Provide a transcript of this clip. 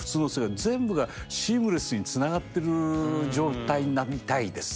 全部がシームレスにつながってる状態になりたいですね。